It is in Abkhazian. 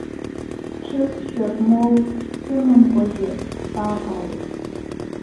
Сҽысшьыр моу сымамкәагьы сааҟалеит.